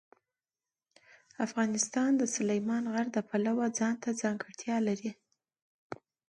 افغانستان د سلیمان غر د پلوه ځانته ځانګړتیا لري.